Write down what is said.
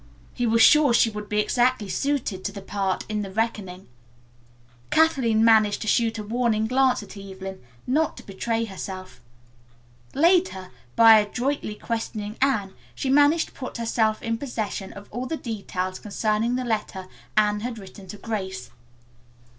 He was sure she would be exactly suited to the part in "The Reckoning." Kathleen managed to shoot a warning glance at Evelyn not to betray herself. Later, by adroitly questioning Anne, she managed to put herself in possession of all the details concerning the letter Anne had written to Grace.